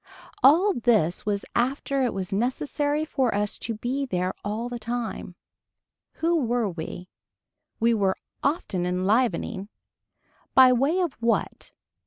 All this was after it was necessary for us to be there all the time. Who were we. We were often enlivening. By way of what.